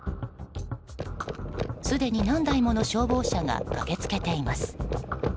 すでに何台もの消防車が駆けつけています。